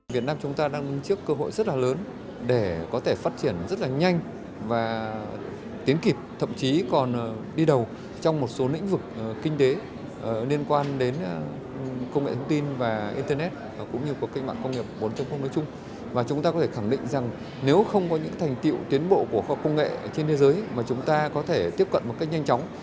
không có những thành tiệu tiến bộ của công nghệ trên thế giới mà chúng ta có thể tiếp cận một cách nhanh chóng